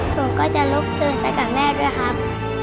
ผมก็จะลบเกินไปกับแม่ด้วยครับ